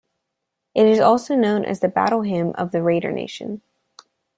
It is also known as the Battle Hymn of the Raider Nation.